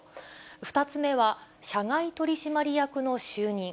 ２つ目は社外取締役の就任。